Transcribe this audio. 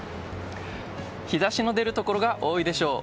日差しの出るところが多いでしょう。